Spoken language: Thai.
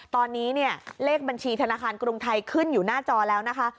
ตอนนี้เนี่ยเลขบัญชีธนาคารกรุงไทยขึ้นอยู่หน้าจอแล้วนะคะ